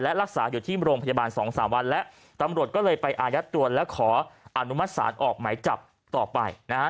และรักษาอยู่ที่โรงพยาบาลสองสามวันแล้วตำรวจก็เลยไปอายัดตัวและขออนุมัติศาลออกหมายจับต่อไปนะฮะ